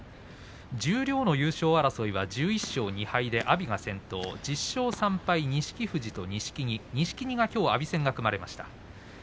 十両優勝争いは１１勝２敗で阿炎が先頭。。、１０勝３敗で錦富士と錦木錦木がきょうは阿炎戦が組まれました。